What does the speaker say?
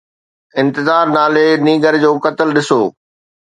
انتظار نالي نينگر جو قتل ڏسو.